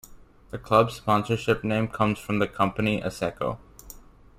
The club's sponsorship name comes from the company Asseco.